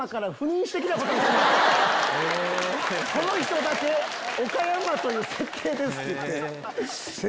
「この人だけ岡山という設定です」って言って。